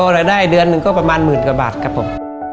รายได้เดือนนึงประมาณ๑๐๐๐๐กว่าบาทครับผม